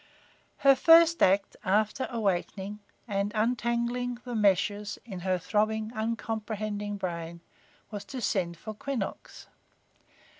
Her first act after awakening and untangling the meshes in her throbbing, uncomprehending brain, was to send for Quinnox.